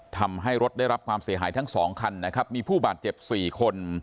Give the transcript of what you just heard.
ทำให้รถได้รับความเสียหายทั้งสองคันนะครับมีผู้บาดเจ็บ๔คน